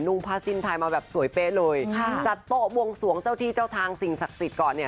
่งผ้าสิ้นไทยมาแบบสวยเป๊ะเลยค่ะจัดโต๊ะบวงสวงเจ้าที่เจ้าทางสิ่งศักดิ์สิทธิ์ก่อนเนี่ย